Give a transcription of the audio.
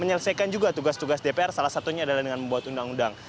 menyelesaikan juga tugas tugas dpr salah satunya adalah dengan membuat undang undang